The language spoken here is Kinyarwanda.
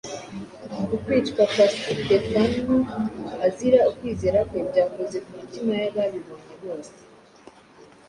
Ukwicwa kwa Sitefano azira ukwizera kwe byakoze ku mitima y’ababibonye bose.